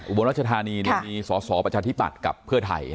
อุบลรัชธานีมีศ๙๑๑ประชาธิบัติกับเพื่อไทยนะ